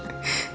iya kan bu